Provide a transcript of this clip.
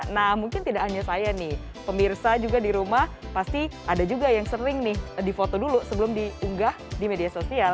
nah mungkin tidak hanya saya nih pemirsa juga di rumah pasti ada juga yang sering nih di foto dulu sebelum diunggah di media sosial